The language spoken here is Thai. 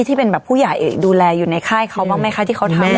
ที่เป็นแบบผู้ใหญ่ดูแลอยู่ในค่ายเขาบ้างไหมคะที่เขาทำ